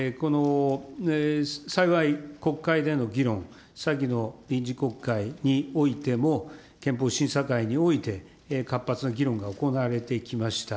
幸い、国会での議論、先の臨時国会においても、憲法審査会において、活発な議論が行われてきました。